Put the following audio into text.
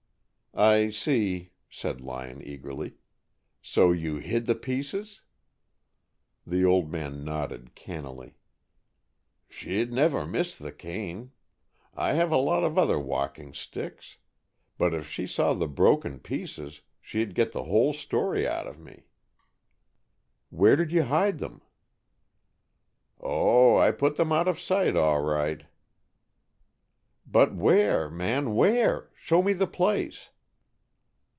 "I see," said Lyon eagerly. "So you hid the pieces?" The old man nodded cannily. "She'd never miss the cane. I have a lot of other walking sticks. But if she saw the broken pieces, she'd get the whole story out of me." "Where did you hide them?" "Oh, I put them out of sight, all right." "But where, man, where? Show me the place."